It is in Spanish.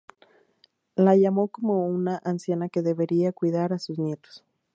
La llamó como una "anciana que debería cuidar a sus nietos".